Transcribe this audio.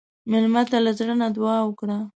مېلمه ته له زړه نه دعا وکړه.